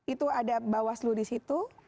itu ada bawaslo disitu